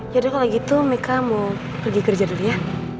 yaudah kalau gitu mika mau pergi kerja dulu ya